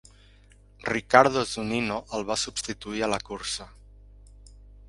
Ricardo Zunino el va substituir a la cursa.